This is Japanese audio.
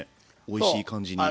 おいしい感じに。